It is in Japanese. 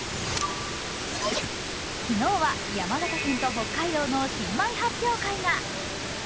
昨日は、山形県と北海道の新米発表会が。